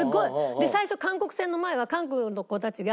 で最初韓国戦の前は韓国の子たちが。